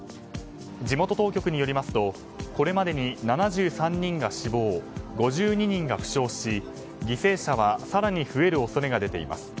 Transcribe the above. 地元当局によりますとこれまでに７３人が死亡５２人が負傷し犠牲者は更に増える恐れが出ています。